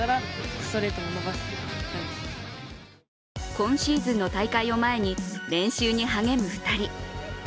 今シーズンの大会を前に練習に励む２人。